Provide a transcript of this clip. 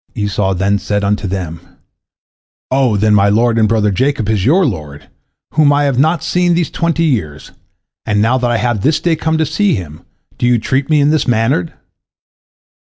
Esau then said unto them, "O, then my lord and brother Jacob is your lord, whom I have not seen these twenty years, and now that I have this day come to see him, do you treat me in this manner?"